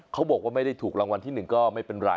เขาบอกว่าไม่ได้ถูกรางวัลที่๑ก็ไม่เป็นไร